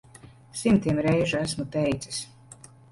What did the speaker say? Simtiem reižu esmu teicis.